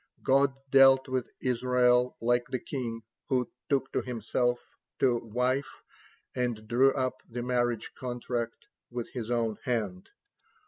God dealt with Israel like the king who took to himself to wife and drew up the marriage contract with his own hand.